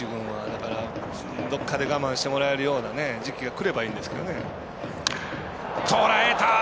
だから、どこかで我慢してもらえるような時期がくればいいんですけどね。